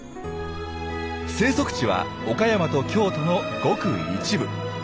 生息地は岡山と京都のごく一部。